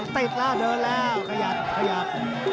ติดแล้วเดินแล้วขยับขยับ